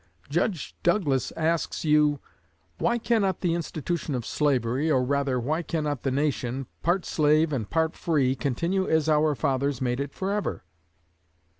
Judge Douglas asks you, 'Why cannot the institution of slavery, or, rather, why cannot the nation, part slave and part free, continue as our fathers made it forever?'